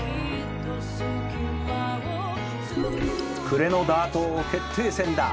「暮れのダート王決定戦だ」